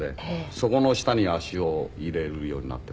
そこの下に足を入れるようになってまして。